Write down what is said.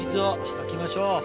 まきましょう。